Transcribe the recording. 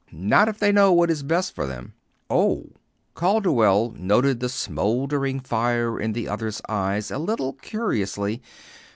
"Not if they know what is best for them." "Oh!" Calderwell noted the smouldering fire in the other's eyes a little curiously.